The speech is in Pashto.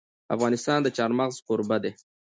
افغانستان د چار مغز کوربه دی.